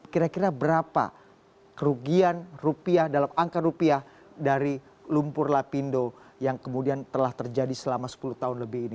kira kira berapa kerugian rupiah dalam angka rupiah dari lumpur lapindo yang kemudian telah terjadi selama sepuluh tahun lebih ini